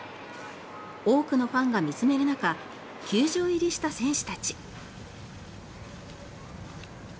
多くのファンが見つめる中球場入りした選手たち。